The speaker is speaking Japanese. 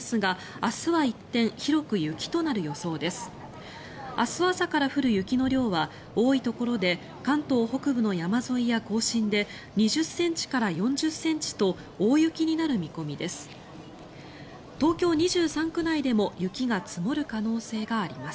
明日朝から降る雪の量は多いところで関東北部の山沿いや甲信で２０ｃｍから４０ｃｍと大雪になる見込みです。